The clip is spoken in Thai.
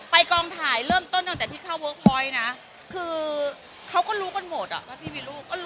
กองถ่ายเริ่มต้นตั้งแต่พี่เข้าเวิร์คพอยต์นะคือเขาก็รู้กันหมดอ่ะว่าพี่มีลูก